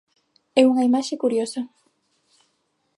E unha imaxe curiosa.